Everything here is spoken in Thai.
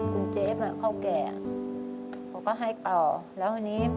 คุณเจฟเขาแก่ก็ให้ก่อแล้วอันนี้